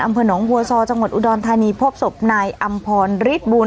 อำเภอหนองบัวซอจังหวัดอุดรธานีพบศพนายอำพรฤทธิบุญ